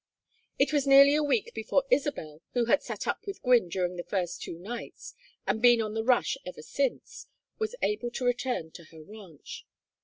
It was nearly a week before Isabel, who had sat up with Gwynne during the first two nights, and been on the rush ever since, was able to return to her ranch.